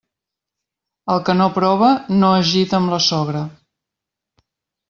El que no prova, no es gita amb la sogra.